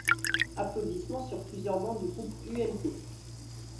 (Applaudissements sur plusieurs bancs du groupe UMP.